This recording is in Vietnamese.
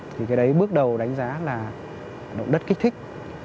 thì cái đấy bước đầu đánh giá là động đất kích thích